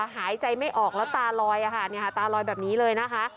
หายใจไม่ออกแล้วตาลอยอ่ะค่ะเนี่ยค่ะตาลอยแบบนี้เลยนะคะ